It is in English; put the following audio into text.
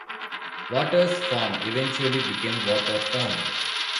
Waters' farm eventually became Watertown.